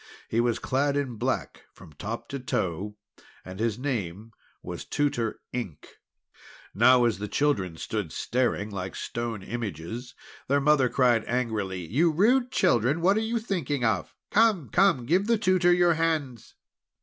He was clad in black from top to toe, and his name was Tutor Ink. Now, as the children stood staring like stone images, their mother cried out angrily: "You rude children, what are you thinking of? Come! come! give the tutor your hands."